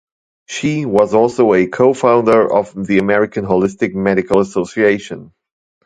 She was also a co-founder of the American Holistic Medical Association.